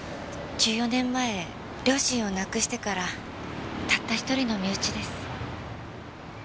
１４年前両親を亡くしてからたった一人の身内です。